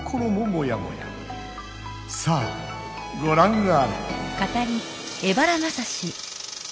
さあごらんあれ！